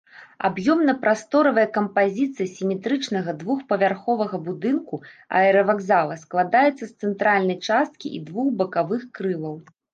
Аб'ёмна-прасторавая кампазіцыя сіметрычнага двухпавярховага будынку аэравакзала складаецца з цэнтральнай часткі і двух бакавых крылаў.